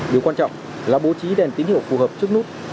điều quan trọng là bố trí đèn tín hiệu phù hợp trước nút